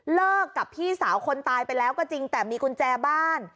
เลิกกับพี่สาวคนตายไปแล้วก็จริงแต่มีกุญแจบ้าน